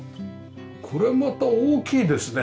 これまた大きいですね。